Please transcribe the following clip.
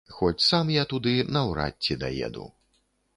Хоць сам я туды наўрад ці даеду.